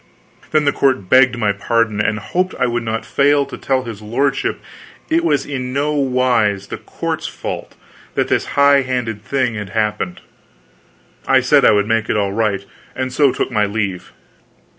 Then the court begged my pardon, and hoped I would not fail to tell his lordship it was in no wise the court's fault that this high handed thing had happened. I said I would make it all right, and so took my leave.